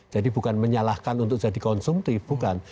jadi bukan menyalahkan untuk jadi konsumtif bukan